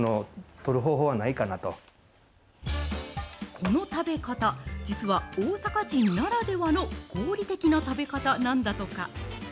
この食べ方、実は、大阪人ならではの合理的な食べ方なんだとか。